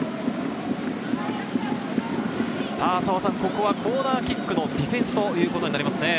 ここはコーナーキックのディフェンスとなりますね。